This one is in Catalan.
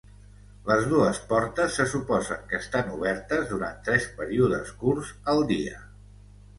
Les dues portes se suposen que estan obertes durant tres períodes curts al dia.